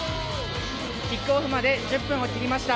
キックオフまで１０分を切りました。